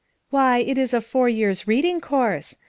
Why, it is a four years' reading course.